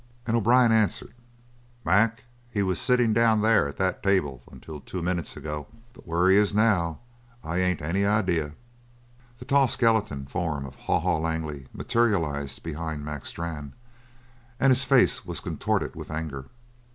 And O'Brien answered: "Mac, he was sittin' down there at that table until two minutes ago, but where he is now I ain't any idea." The tall, skeleton form of Haw Haw Langley materialised behind Mac Strann, and his face was contorted with anger.